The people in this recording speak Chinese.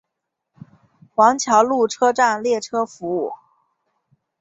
王桥路车站列车服务。